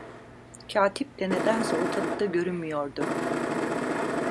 Katip de nedense ortalıkta görünmüyordu.